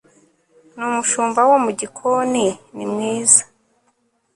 numushumba wo mugikoni nimwiza